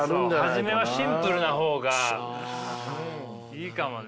初めはシンプルな方がいいかもね。